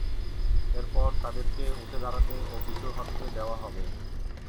এরপর তাদেরকে উঠে দাঁড়াতে ও পিছু হটতে দেওয়া হবে।